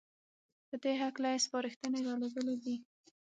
په دې هکله يې سپارښنې رالېږلې دي